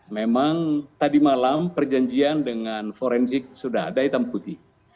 memang tadi malam perjanjian dengan forensik sudah ada hitam putih